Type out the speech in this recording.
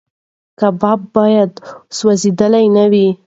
کباب باید سوځېدلی نه وي.